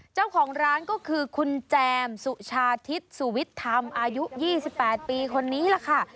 เจ้าของร้านก็คือคุณแจมสุชาทิศสุวิทย์ธรรมอายุ๒๘ปีคนนี้ล่ะค่ะ